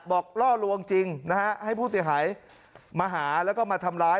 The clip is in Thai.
ล่อลวงจริงนะฮะให้ผู้เสียหายมาหาแล้วก็มาทำร้าย